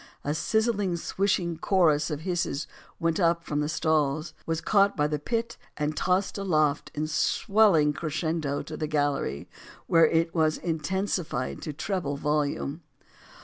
A sizzling, swishing chorus of hisses went up from the stalls, was caught by the pit, and tossed aloft in swelling crescendo to the gallery, where it was in tensified to treble volume.